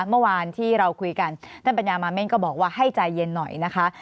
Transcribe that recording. เมื่อวานที่เราคุยกันท่านปัญญามาเม่นก็บอกว่าให้ใจเย็นหน่อยนะคะ